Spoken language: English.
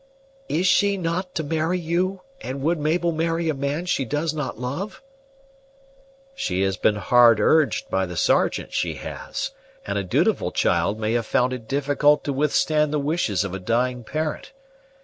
"Is she not to marry you, and would Mabel marry a man she does not love?" "She has been hard urged by the Sergeant, she has; and a dutiful child may have found it difficult to withstand the wishes of a dying parent.